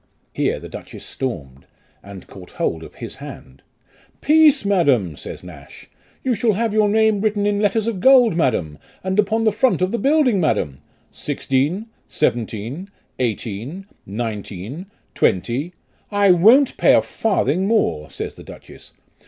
Here the duchess stormed, and caught hold of his hand. " Peace, madam," says Nash, "you shall have your name written in letters of gold, madam, and upon the front of the building, madam. Sixteen, seventeen, eighteen, nineteen, twenty." "1 won't pay a farthing more," says the duchess.